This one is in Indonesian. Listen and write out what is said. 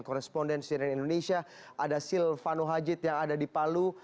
korespondensi dari indonesia ada silvano hajid yang ada di palu